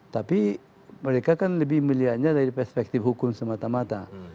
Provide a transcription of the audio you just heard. tapi mereka kan lebih melihatnya dari perspektif hukum semata mata